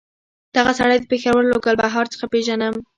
دغه سړی د پېښور له ګلبهار څخه پېژنم.